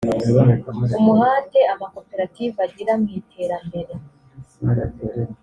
umuhate amakoperative agira mu iterambere